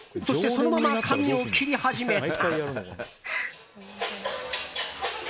そして、そのまま髪を切り始めた。